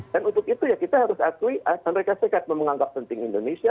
dan untuk itu ya kita harus akui amerika serikat menganggap penting indonesia